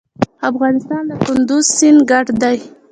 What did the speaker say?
افغانستان له کندز سیند ډک دی.